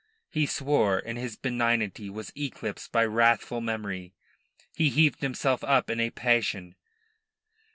He swore, and his benignity was eclipsed by wrathful memory. He heaved himself up in a passion.